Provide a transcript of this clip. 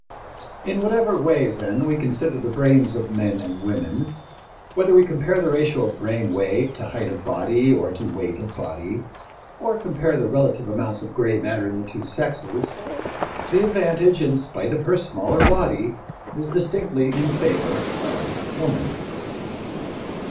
In whatever way, then, we consider the brains of men and women, whether we compare the ratio of brain weight to height of body or to weight of body, or compare the relative amounts of gray matter in the two sexes, the advantage, in spite of her smaller body, is distinctly in favor of woman.